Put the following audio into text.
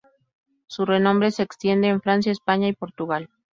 Su renombre se extiende en Francia, España y Portugal.